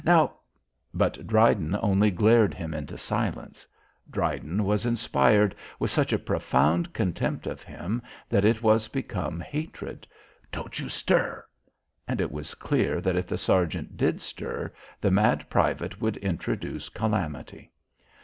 Now " But Dryden only glared him into silence. Dryden was inspired with such a profound contempt of him that it was become hatred. "Don't you stir!" And it was clear that if the sergeant did stir, the mad private would introduce calamity.